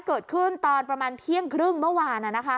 เกิดขึ้นตอนประมาณเที่ยงครึ่งเมื่อวาน